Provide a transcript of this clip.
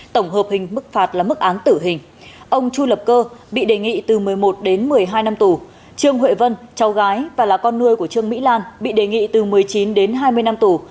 tổng hợp hình mức phạt là mức án tử hình ông chu lập cơ bị đề nghị từ một mươi một đến một mươi hai năm tù trương huệ vân cháu gái và là con nuôi của trương mỹ lan bị đề nghị từ một mươi chín đến hai mươi năm tù